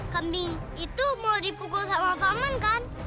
kambing itu mau dipukul sama taman kan